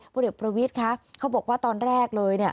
พศประวิทย์คะเขาบอกว่าตอนแรกเลย